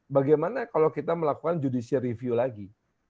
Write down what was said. bagaimana kalau kita melakukan judicial review lagi